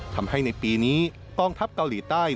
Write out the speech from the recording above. ทำให้ในปีนี้กองทัพเกาหลีใต้